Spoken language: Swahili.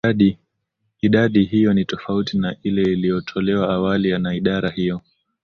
idadi hiyo ni tofauti na ile iliyotolewa awali na idara hiyo